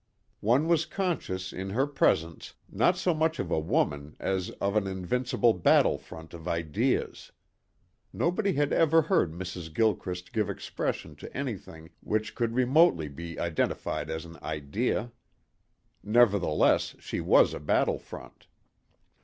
One was conscious in her presence not so much of a woman as of an invincible battle front of ideas. Nobody had ever heard Mrs. Gilchrist give expression to anything which could remotely be identified as an idea. Nevertheless she was a battle front.